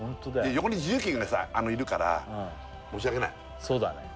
横に自由軒がさいるから申し訳ないそうだね